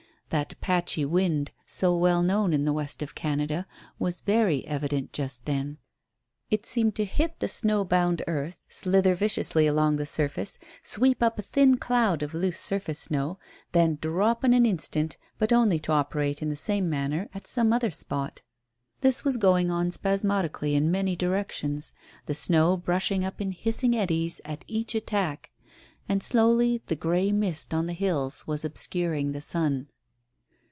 That patchy wind, so well known in the west of Canada, was very evident just then. It seemed to hit the snow bound earth, slither viciously along the surface, sweep up a thin cloud of loose surface snow, then drop in an instant, but only to operate in the same manner at some other spot. This was going on spasmodically in many directions, the snow brushing up in hissing eddies at each attack. And slowly the grey mist on the hills was obscuring the sun.